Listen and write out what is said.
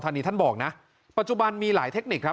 ส่งมาขอความช่วยเหลือจากเพื่อนครับ